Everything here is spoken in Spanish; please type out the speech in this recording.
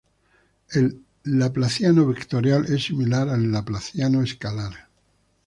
El Laplaciano vectorial es similar al Laplaciano escalar.